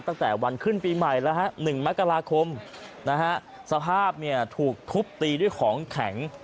ตั้งแต่วันขึ้นปีใหม่แล้วฮะ๑มกราคมสภาพถูกทุบตีด้วยของแข็ง